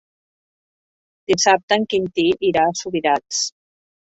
Dissabte en Quintí irà a Subirats.